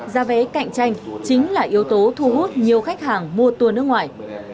giá vé cạnh tranh chính là yếu tố thu hút nhiều khách hàng mua tour nước ngoài